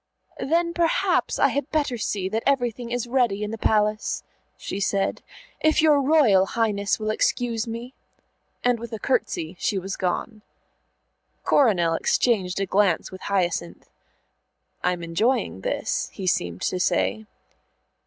"Then perhaps I had better see that everything is ready in the Palace," she said, "if your Royal Highness will excuse me." And with a curtsey she was gone. Coronel exchanged a glance with Hyacinth. "I'm enjoying this," he seemed to say.